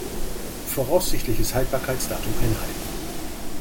Voraussichtliches Haltbarkeitsdatum einhalten.